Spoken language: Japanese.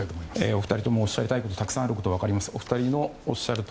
お二人ともおっしゃりたいことがたくさんあることは分かりました。